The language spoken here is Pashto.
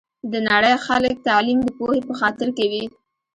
د نړۍ خلګ تعلیم د پوهي په خاطر کوي